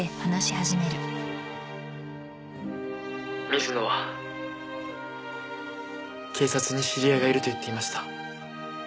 水野は警察に知り合いがいると言っていました。